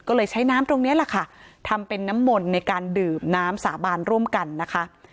ก็เลยใช้น้ำตรงนี้แหละค่ะทำเป็นน้ำมนต์ในการดื่มน้ำสาบานร่วมกันนะคะ